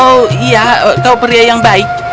oh iya kau pria yang baik